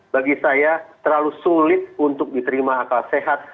bagi saya terlalu sulit untuk diterima akal sehat